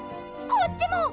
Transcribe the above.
こっちも！